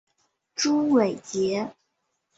朱伟捷。